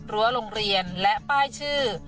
รั้วโรงเรียนและป้ายชื่อ